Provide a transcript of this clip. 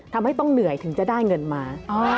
ทำให้ต้องเหนื่อยถึงจะได้เงินมา